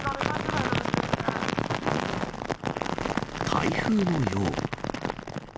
台風のよう。